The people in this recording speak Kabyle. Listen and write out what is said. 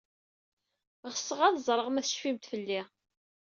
Ɣseɣ ad ẓreɣ ma tecfamt fell-i.